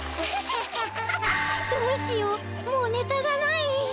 どうしようもうネタがない！